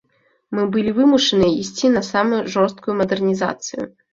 Мы былі вымушаныя ісці на сама жорсткую мадэрнізацыю.